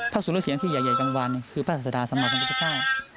พระศุรเสียงที่ใหญ่กลางวันคือพระศาสดาสมภัยดำตักจ้า